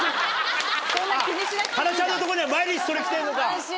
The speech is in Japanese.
はらちゃんのとこには毎日それ来てんのか。